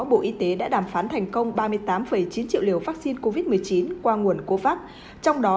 bộ y tế đã đàm phán thành công ba mươi tám chín triệu liều vắc xin covid một mươi chín qua nguồn covax trong đó